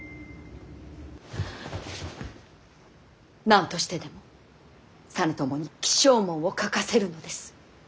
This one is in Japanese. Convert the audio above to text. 何としてでも実朝に起請文を書かせるのです。